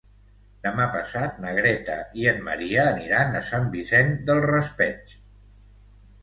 Demà passat na Greta i en Maria aniran a Sant Vicent del Raspeig.